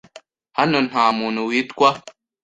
Hano nta muntu witwa .